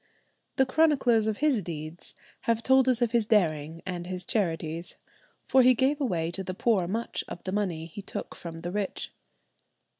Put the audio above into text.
The chroniclers of his deeds have told us of his daring and his charities, for he gave away to the poor much of the money he took from the rich."